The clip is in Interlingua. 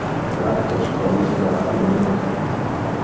Rattos prolifica rapidemente.